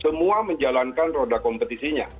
semua menjalankan roda kompetisinya